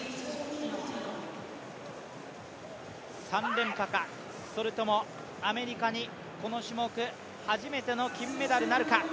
３連覇かそれともアメリカにこの種目、初めての金メダルなるか？